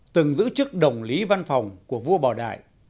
từng giữ chức đồng lý văn phòng của vua bảo đại